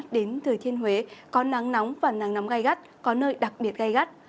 đến thời thiên huế có nắng nóng và nắng nóng gai gắt có nơi đặc biệt gai gắt